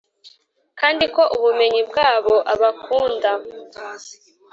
kandi ko ubumenyi bwabo abakunda